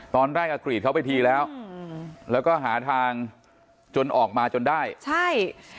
ตอนแรกกรีดเขาไปทีแล้วอืมแล้วก็หาทางจนออกมาจนได้ใช่